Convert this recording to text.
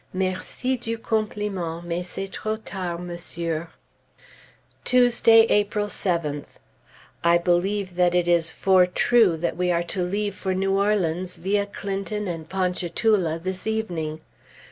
Merci du compliment; mais c'est trop tard, Monsieur! Tuesday, April 7th. I believe that it is for true that we are to leave for New Orleans, via Clinton and Ponchatoula, this evening.